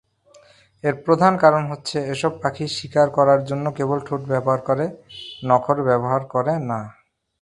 এর প্রধান কারণ হচ্ছে, এসব পাখি শিকার ধরার জন্য কেবল ঠোঁট ব্যবহার করে, নখর ব্যবহার করে না।